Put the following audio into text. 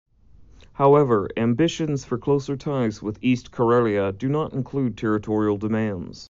However, ambitions for closer ties with East Karelia do not include territorial demands.